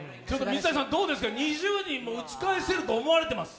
どうですか、２０人も打ち返せると思われてます。